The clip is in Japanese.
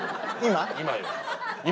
今？